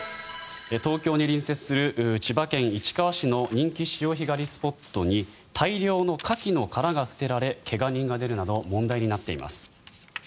東京に隣接する千葉県市川市の人気潮干狩りスポットに大量のカキの殻が捨てられ怪我人が出るなど問題になっています。